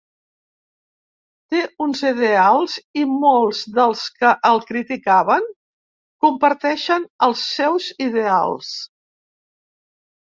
Té uns ideals i molts dels que el criticaven comparteixen els seus ideals.